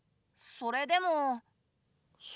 それでも？